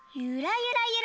ゆらゆら。